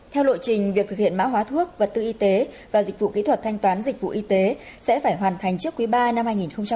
theo lộ trình việc thực hiện mã hóa thuốc vật tư y tế và dịch vụ kỹ thuật thanh toán dịch vụ y tế sẽ phải hoàn thành trước quý ba năm hai nghìn hai mươi